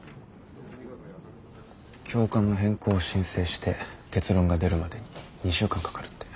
教官の変更を申請して結論が出るまでに２週間かかるって。